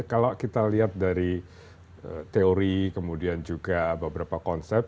kalau kita lihat dari teori kemudian juga beberapa konsep